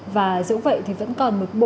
và dẫu vậy thì vẫn còn một bộ